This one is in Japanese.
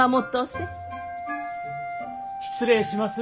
失礼します